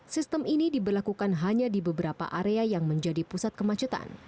sistem ini diberlakukan hanya di beberapa area yang menjadi pusat kemacetan